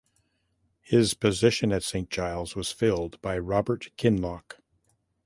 His position at St Giles was filled by Robert Kinloch.